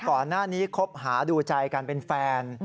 ก่อนหน้านี้คบหาดูใจกันเป็นแฟน